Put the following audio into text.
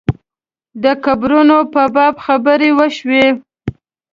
د قبرونو په باب خبرې وشوې.